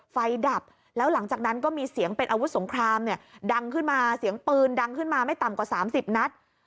ดับแล้วหลังจากนั้นก็มีเสียงเป็นอาวุธสงครามเนี่ยดังขึ้นมาเสียงปืนดังขึ้นมาไม่ต่ำกว่า๓๐นัด